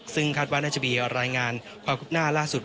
ซึ่งคาดว่าน่าจะมีรายงานความคืบหน้าล่าสุด